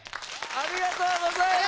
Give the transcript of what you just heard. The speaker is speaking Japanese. ありがとうございます！